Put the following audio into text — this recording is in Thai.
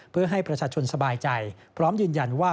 เพื่อให้ประชาชนสบายใจพร้อมยืนยันว่า